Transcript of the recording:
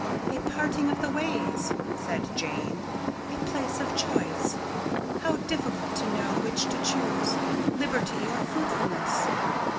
"A parting of the ways," said Jane; "a place of choice. How difficult to know which to choose liberty or fruitfulness.